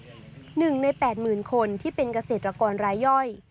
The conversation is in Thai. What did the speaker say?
หนึ่งในแปดหมื่นคนที่เป็นเกษตรกรรายย่อย